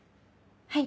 はい。